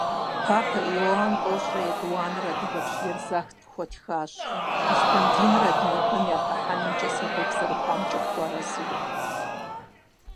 Папэ Иоанн тӏощӏрэ етӏуанэр адыгэпщ Верзахт къыхуэтхащ, чристан диныр адыгэхэм яхыхьэнымкӏэ сэбэп зэрыхъуамкӏэ къыхуэарэзыуэ.